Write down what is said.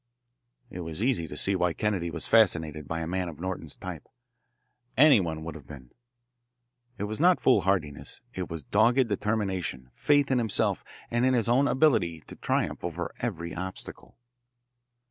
It was easy to see why Kennedy was fascinated by a man of Norton's type. Anyone would have been. It was not foolhardiness. It was dogged determination, faith in himself and in his own ability to triumph over every obstacle.